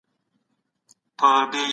د آس سپرو په نامه راغلې ده.